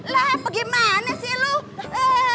lah apa gimana sih lu